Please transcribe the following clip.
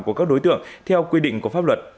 của các đối tượng theo quy định của pháp luật